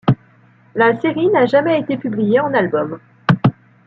La série n'a jamais été publiée en album.